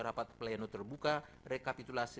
rapat pleno terbuka rekapitulasi